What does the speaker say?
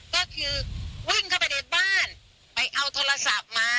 ก็คือวิ่งเข้าไปในบ้านไปเอาโทรศัพท์มา